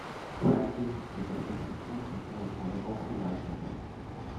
Seitdem wird das Institut von Thomas Neuhaus geleitet.